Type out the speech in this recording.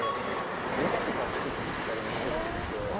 歌とか作ったりもしてるんですよ。